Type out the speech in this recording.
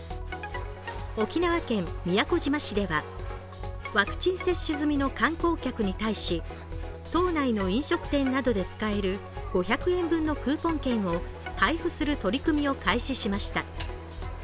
沖縄県宮古島市では、ワクチン接種済みの観光客に対し島内の飲食店などで使える５００円分のクーポン券を配布する取り組みを開始ました。